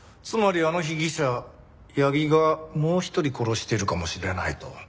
つまりあの被疑者八木がもう一人殺してるかもしれないと？